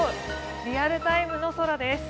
リアルタイムの空です。